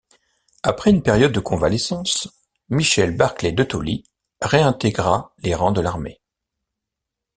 Après une période de convalescence, Michel Barclay de Tolly réintégra les rangs de l’armée.